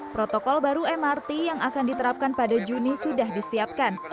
protokol baru mrt yang akan diterapkan pada juni sudah disiapkan